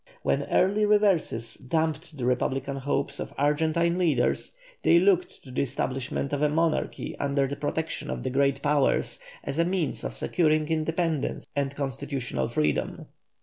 When early reverses damped the republican hopes of Argentine leaders, they looked to the establishment of a monarchy under the protection of the Great Powers as a means of securing independence and constitutional freedom.